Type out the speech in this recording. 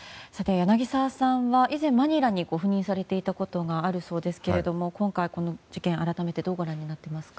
柳澤さんは以前マニラにご赴任されていたことがあるそうですけれども今回、この事件を改めてどうご覧になっていますか。